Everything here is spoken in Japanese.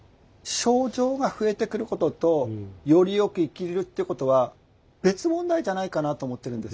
症状が増えてくることとよりよく生きるってことは別問題じゃないかなと思っているんですよ。